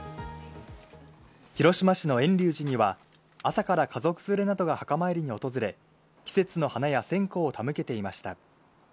広島市の圓龍寺には朝から家族連れなどが墓参りに訪れ、季節の花や線香を手向けていました。